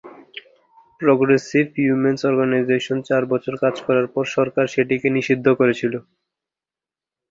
Progressive women's organisation চার বছর কাজ করার পর সরকার সেটিকে নিষিদ্ধ করেছিল।